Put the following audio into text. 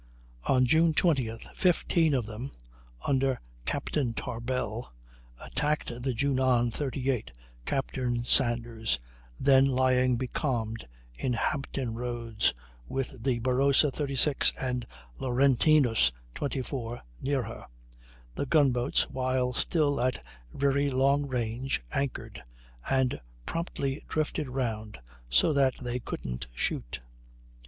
On June 20th 15 of them, under Captain Tarbell, attacked the Junon, 38, Captain Sanders, then lying becalmed in Hampton Roads, with the Barossa, 36, and Laurestinus, 24, near her. The gun boats, while still at very long range, anchored, and promptly drifted round so that they couldn't shoot.